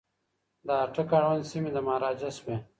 د اټک اړوند سیمي د مهاراجا شوې.